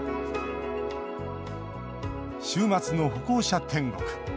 週末の歩行者天国。